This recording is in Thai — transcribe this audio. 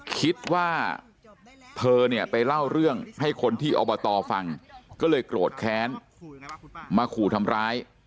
คิดว่าเธอเนี่ยไปเล่าเรื่องให้คนที่อบตฟังก็เลยโกรธแค้นมาขู่ทำร้าย